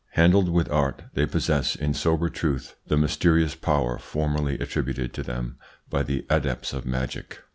Handled with art, they possess in sober truth the mysterious power formerly attributed to them by the adepts of magic.